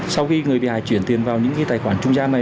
sau khi người bị hại chuyển tiền vào những tài khoản trung gian này